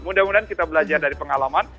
mudah mudahan kita belajar dari pengalaman